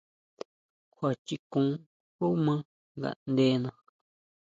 Kjua chikon xú maa ngaʼndena.